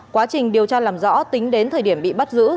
quá trình điều tra làm rõ tính đến thời điểm bị bắt giữ